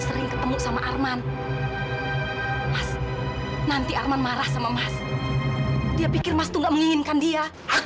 sampai jumpa di video selanjutnya